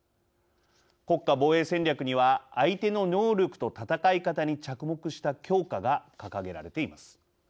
国家防衛戦略には相手の能力と戦い方に着目した強化が掲げられています。